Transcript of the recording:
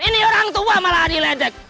ini orang tua malah ngeletek